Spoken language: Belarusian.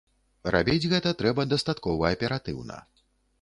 Рабіць гэта трэба дастаткова аператыўна.